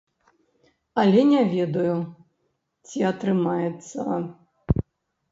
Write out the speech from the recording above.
Але не ведаю, ці атрымаецца.